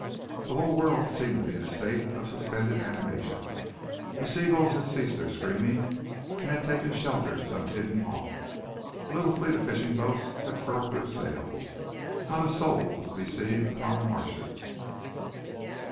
The whole world seemed to be in a state of suspended animation. The seagulls had ceased their screaming, and had taken shelter in some hidden haunt. A little fleet of fishing boats had furled their sails. Not a soul was to be seen upon the marshes.